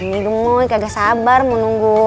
ini gemuk kagak sabar mau nunggu